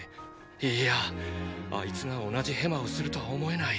いいやあいつが同じヘマをするとは思えない。